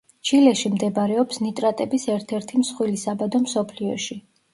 ჩილეში მდებარეობს ნიტრატების ერთ–ერთი მსხვილი საბადო მსოფლიოში.